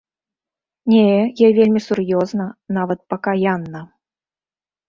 Не, я вельмі сур'ёзна, нават пакаянна.